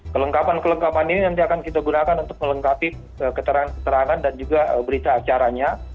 kelengkapan kelengkapan ini nanti akan kita gunakan untuk melengkapi keterangan keterangan dan juga berita acaranya